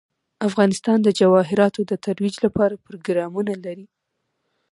افغانستان د جواهرات د ترویج لپاره پروګرامونه لري.